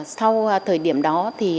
sau thời điểm đó